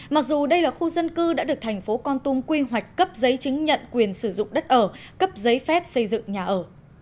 mặc dù đây là khu dân cư đã được thành phố con tum quy hoạch cấp giấy chứng nhận quyền sử dụng đất ở cấp giấy phép xây dựng nhà ở